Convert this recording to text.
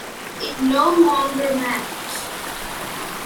It no longer matters.